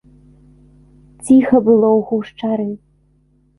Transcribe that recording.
Ціха было ў гушчары.